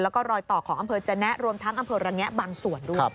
แล้วก็รอยต่อของอำเภอจนะรวมทั้งอำเภอระแงะบางส่วนด้วย